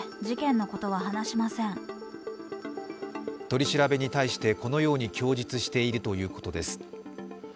取り調べに対してこのように供述しているということです。